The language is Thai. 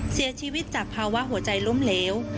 เสียชีวิตจากภาวะหัวใจล้มเหลว